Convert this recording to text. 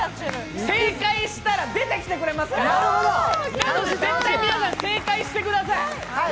正解したら出てきてくれますから、絶対皆さん、正解してください。